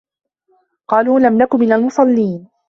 قالوا لَم نَكُ مِنَ المُصَلّينَ